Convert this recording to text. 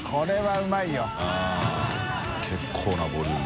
うん結構なボリューム。